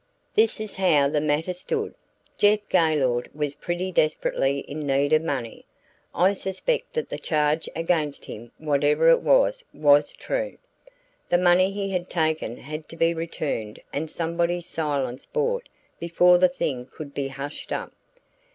"This is how the matter stood: Jeff Gaylord was pretty desperately in need of money. I suspect that the charge against him, whatever it was, was true. The money he had taken had to be returned and somebody's silence bought before the thing could be hushed up.